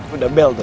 udah bel tuh